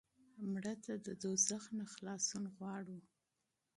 مړه ته د دوزخ نه خلاصون غواړو